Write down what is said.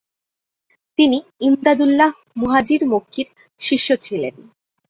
তিনি ইমদাদউল্লাহ মুহাজির মক্কির শিষ্য ছিলেন।